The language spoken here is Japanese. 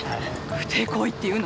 不貞行為っていうのは。